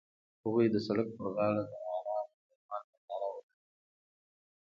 هغوی د سړک پر غاړه د آرام آرمان ننداره وکړه.